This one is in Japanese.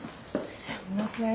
すんません。